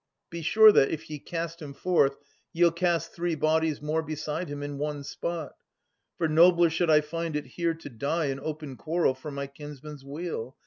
Be sure that, if ye cast him forth, ye'll cast Three bodies more beside him in one spot ; For nobler should I find it here to die In open quarrel for my kinsman's weal.